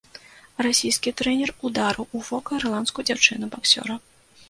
Расійскі трэнер ударыў у вока ірландскую дзяўчыну-баксёра.